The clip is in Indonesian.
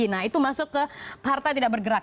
nah itu masuk ke partai tidak bergerak